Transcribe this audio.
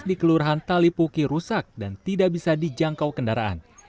di kelurahan talipuki rusak dan tidak bisa dijangkau kendaraan